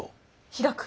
開く！